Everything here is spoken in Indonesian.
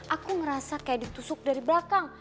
aku ngerasa kayak ditusuk dari belakang